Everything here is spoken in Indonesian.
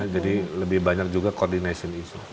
jadi lebih banyak juga koordinasi